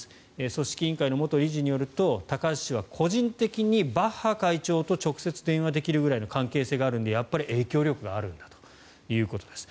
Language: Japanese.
組織委員会の元理事によると高橋氏は個人的にバッハ会長と直接電話するぐらいの関係性があるのでやっぱり影響力があるんだということです。